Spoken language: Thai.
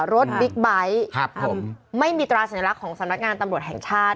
บิ๊กไบท์ไม่มีตราสัญลักษณ์ของสำนักงานตำรวจแห่งชาติ